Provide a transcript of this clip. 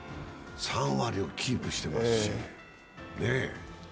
３割をキープしてますし。